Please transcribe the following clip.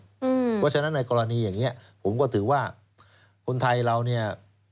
เพราะฉะนั้นในกรณีอย่างนี้ผมก็ถือว่าคนไทยเราเนี่ย